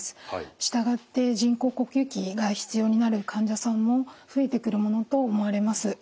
従って人工呼吸器が必要になる患者さんも増えてくるものと思われます。